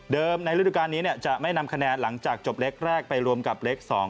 เดิมในฤดูกรรณ์นี้จะไม่นำคะแนนหลังจากจบเลขแรกไปรวมกับเลขสอง